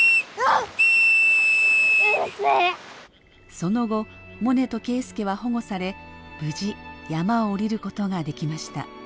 その後モネと圭輔は保護され無事山を下りることができました。